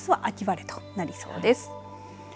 あすは秋晴れとなりそうです。